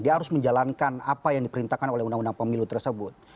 dia harus menjalankan apa yang diperintahkan oleh undang undang pemilu tersebut